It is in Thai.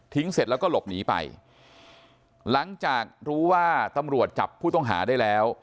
เสร็จแล้วก็หลบหนีไปหลังจากรู้ว่าตำรวจจับผู้ต้องหาได้แล้ว